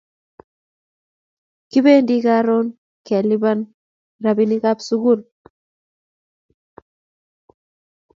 Kibendi karun kelipan rapinik ab sukul